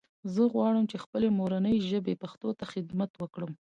زه غواړم چې خپلې مورنۍ ژبې پښتو ته خدمت وکړم